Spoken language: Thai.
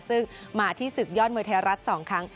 ซึ่งมาที่ศึกยอดมวยไทยรัฐ๒ครั้ง